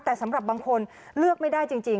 แต่สำหรับบางคนเลือกไม่ได้จริง